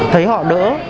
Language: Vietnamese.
thấy họ đỡ